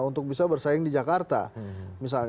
untuk bisa bersaing di jakarta misalnya